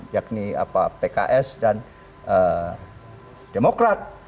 yakni pks dan demokrat